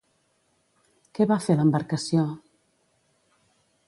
Què va fer l'embarcació?